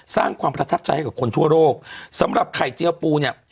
สร้างความประทับใจให้กับคนทั่วโลกสำหรับไข่เจียวปูเนี่ย